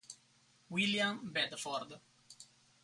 William Bedford